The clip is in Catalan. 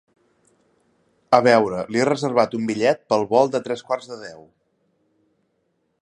A veure, li he reservat un bitllet per al vol de tres quarts de deu.